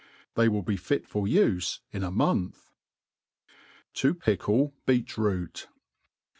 They will be fit for ufe in a month. To piciii Beet Root.